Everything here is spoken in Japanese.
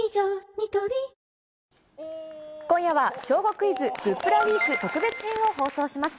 ニトリ今夜は、小５クイズグップラウィーク特別編を放送します。